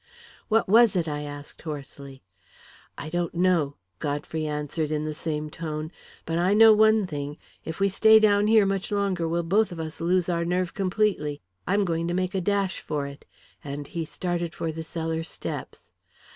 "What was it?" I asked hoarsely. "I don't know," Godfrey answered, in the same tone. "But I know one thing if we stay down here much longer, we'll both of us lose our nerve completely. I'm going to make a dash for it," and he started for the cellar steps.